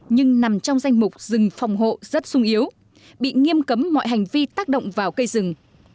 nhưng nằm trong danh mục rừng phòng hộ rất sung yếu bị nghiêm cấm mọi hành vi tác động vào cây rừng